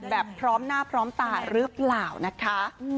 แบบพร้อมหน้าพร้อมตาหรือเปล่านะคะ